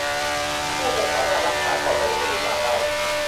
ก็จะสามารถรักษาก่อนมะเร็งจะลุกลามได้